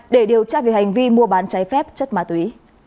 để điều tra về hành vi mua bán cháy phép chất ma túy